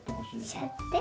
ひしゃって？